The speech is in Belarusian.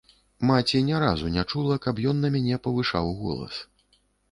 Маці не разу не чула, каб ён на мяне павышаў голас.